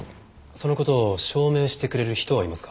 その事を証明してくれる人はいますか？